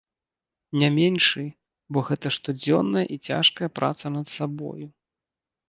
Не меншы, бо гэта штодзённая і цяжкая праца над сабою.